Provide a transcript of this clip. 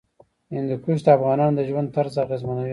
هندوکش د افغانانو د ژوند طرز اغېزمنوي.